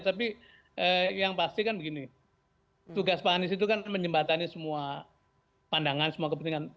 tapi yang pasti kan begini tugas pak anies itu kan menjembatani semua pandangan semua kepentingan